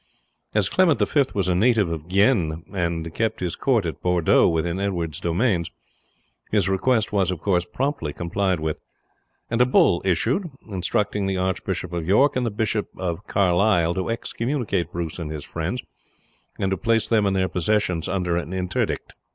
As Clement V was a native of Guienne, and kept his court at Bordeaux within Edward's dominions, his request was, of course, promptly complied with, and a bull issued, instructing the Archbishop of York and the Bishop of Carlisle to excommunicate Bruce and his friends, and to place them and their possessions under an interdict.